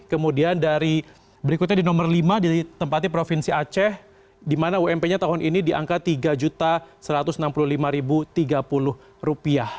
kemudian dari berikutnya di nomor lima ditempati provinsi aceh di mana ump nya tahun ini di angka tiga satu ratus enam puluh lima tiga puluh rupiah